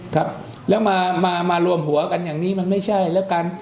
ครับแล้วมามารวมหัวกันอย่างนี้มันไม่ใช่แล้วกัน